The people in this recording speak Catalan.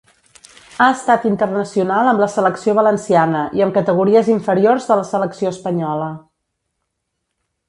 Ha estat internacional amb la selecció valenciana i amb categories inferiors de la selecció espanyola.